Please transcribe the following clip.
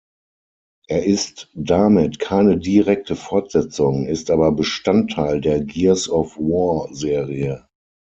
Er ist damit keine direkte Fortsetzung, ist aber Bestandteil der Gears-of-War-Serie.